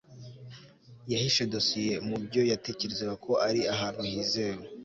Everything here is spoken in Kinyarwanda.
yahishe dosiye mubyo yatekerezaga ko ari ahantu hizewe